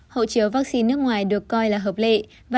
hộ chiếu vaccine nước ngoài được coi là hợp lệ